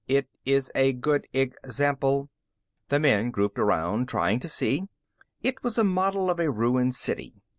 "It is a good example." The men grouped around, trying to see. It was a model of a ruined city.